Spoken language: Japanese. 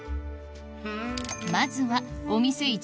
まずはお店一